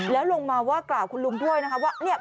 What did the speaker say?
แล้วลงมากล่าวสถานคุณลุงด้วยนะครับว่า